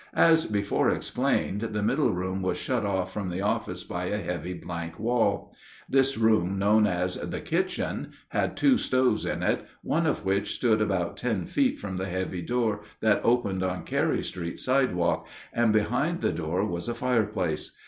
As before explained, the middle room was shut off from the office by a heavy blank wall. This room, known as the "kitchen," had two stoves in it, one of which stood about ten feet from the heavy door that opened on Carey street sidewalk, and behind the door was a fireplace.